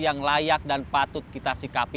yang layak dan patut kita sikapi